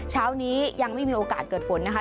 เช้านี้ยังไม่มีโอกาสเกิดฝนนะคะ